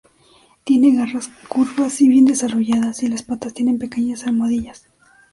Tiene garras curvas y bien desarrolladas, y las patas tienen pequeñas almohadillas.